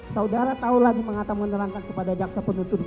saudara tahu lagi mengatakan kepada jaksa penutup